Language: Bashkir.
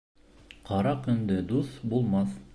Ҡара көндә дуҫ булмаҫ.